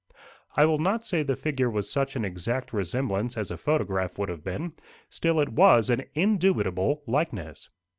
I will not say the figure was such an exact resemblance as a photograph would have been; still it was an indubitable likeness.